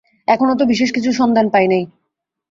এখনো তো বিশেষ কিছু সন্ধান পাই নাই।